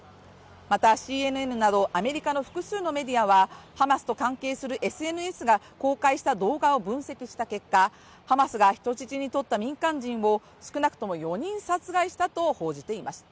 またＣＮＮなどアメリカの複数のメディアはハマスと関係するＳＮＳが公開した動画を分析した結果、ハマスが人質にとった民間人を少なくとも４人殺害したと報じています。